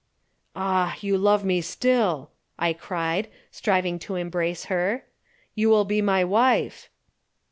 "Ah, you love me still," I cried, striving to embrace her. "You will be my wife."